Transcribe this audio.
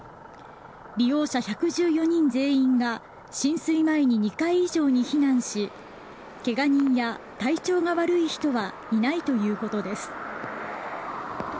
利用者１１４人全員が浸水前に２階以上に避難し怪我人や体調が悪い人はいないということです。